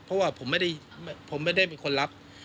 เพราะว่าผมไม่ได้เป็นคนรับ